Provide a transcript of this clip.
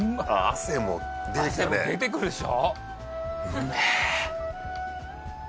汗も出てくるでしょ